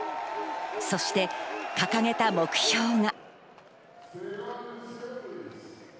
そして、掲げた目標が。